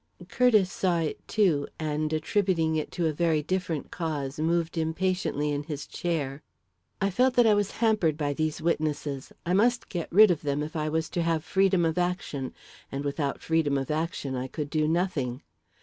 Curtiss saw it, too, and, attributing it to a very different cause, moved impatiently in his chair. I felt that I was hampered by these witnesses. I must get rid of them, if I was to have freedom of action and without freedom of action I could do nothing.